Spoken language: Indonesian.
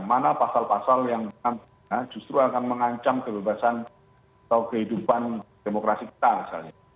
mana pasal pasal yang nantinya justru akan mengancam kebebasan atau kehidupan demokrasi kita misalnya